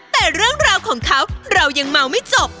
แต่เรื่องราวของเขาเรายังเมาไม่จบ